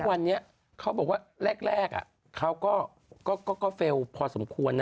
ทุกวันนี้เขาบอกว่าแรกแรกอ่ะเขาก็ก็ก็ก็เฟลพอสมควรนะ